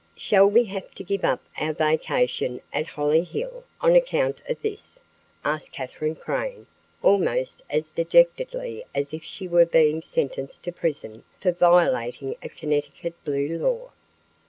"Shall we have to give up our vacation at Hollyhill on account of this?" asked Katherine Crane almost as dejectedly as if she were being sentenced to prison for violating a Connecticut blue law.